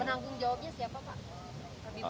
penanggung jawabnya siapa pak